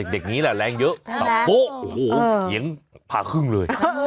เด็กนี้แหละแรงเยอะหลับโป๊ะโอ้โหเสียงผ่าครึ่งเลย